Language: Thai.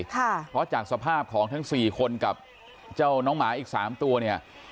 เพราะจากสภาพของทั้งสี่คนกับเจ้าน้องหมาอีกสามตัวเนี่ย